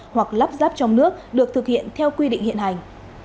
hoặc lắp ráp trong nước được thực hiện theo quy định hiện hành